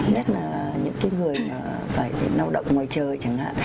nhất là những cái người mà phải nâu động ngoài trời chẳng hạn